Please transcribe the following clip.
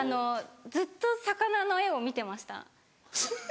ずっと魚の絵を見てました。